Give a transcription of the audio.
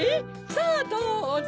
さぁどうぞ。